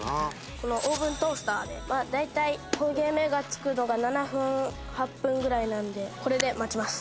このオーブントースターでまあ大体焦げ目がつくのが７分８分ぐらいなんでこれで待ちます。